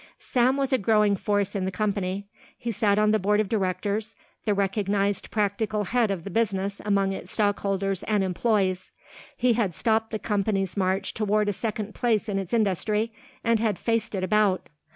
Sam was a growing force in the company. He sat on the board of directors, the recognised practical head of the business among its stockholders and employees; he had stopped the company's march toward a second place in its industry and had faced it about.